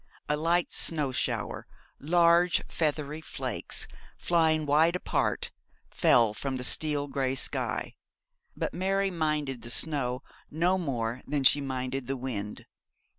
A light snow shower, large feathery flakes flying wide apart, fell from the steel grey sky; but Mary minded the snow no more than she minded the wind.